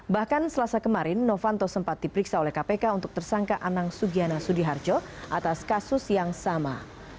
bahkan selasa kemarin novanto sempat diperiksa oleh kpk untuk tersangka anang sugiana sudiharjo atas kasus yang sama